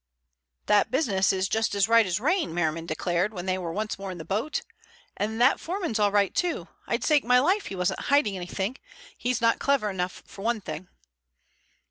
"That business is just as right as rain," Merriman declared when they were once more in the boat. "And that foreman's all right too. I'd stake my life he wasn't hiding anything. He's not clever enough for one thing."